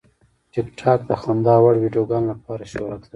ټیکټاک د خندا وړ ویډیوګانو لپاره شهرت لري.